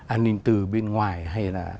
an ninh từ bên ngoài hay là